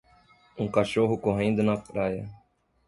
Um cachorro correndo na praia.